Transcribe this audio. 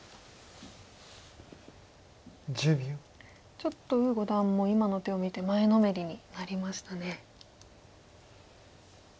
ちょっと呉五段も今の手を見て前のめりになりましたね。